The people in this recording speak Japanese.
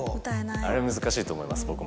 あれは難しいと思います僕も。